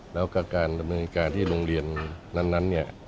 แล้วก็การดำเนินการที่โรงเรียนนั้นเนี่ย